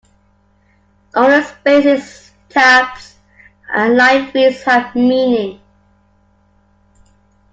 Only spaces, tabs and linefeeds have meaning.